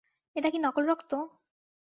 এটা কি নকল রক্ত?